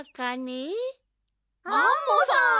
アンモさん！